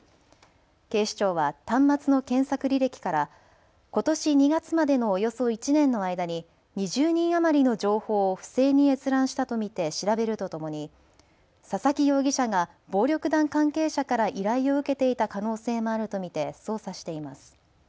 警視庁は端末の検索履歴からことし２月までのおよそ１年の間に２０人余りの情報を不正に閲覧したと見て調べるとともに佐々木容疑者が暴力団関係者から依頼を受けていた可能性もあると見て捜査しています。